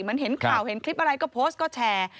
เห็นข่าวเห็นคลิปอะไรก็โพสต์ก็แชร์